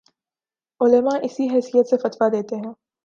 علما اسی حیثیت سے فتویٰ دیتے ہیں